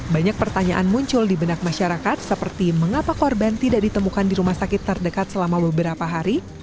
banyak pertanyaan muncul di benak masyarakat seperti mengapa korban tidak ditemukan di rumah sakit terdekat selama beberapa hari